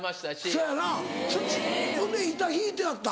そやなほんで板敷いてあった。